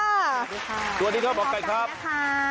สวัสดีค่ะหมอกไก่ค่ะ